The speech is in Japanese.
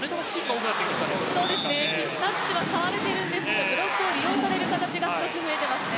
タッチは触れているんですがブロックを揺らされている形が増えていますね。